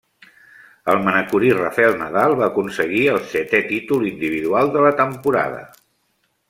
El manacorí Rafael Nadal va aconseguir el setè títol individual de la temporada.